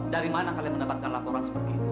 dari mana kalian mendapatkan laporan seperti itu